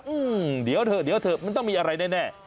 อืมเดี๋ยวเถอะมันต้องมีอะไรแน่